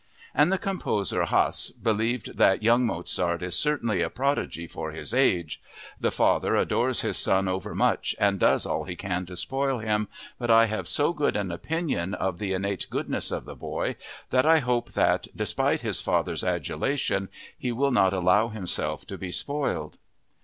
And the composer Hasse believed that "young Mozart is certainly a prodigy for his age. The father adores his son overmuch and does all he can to spoil him; but I have so good an opinion of the innate goodness of the boy that I hope that, despite his father's adulation, he will not allow himself to be spoiled."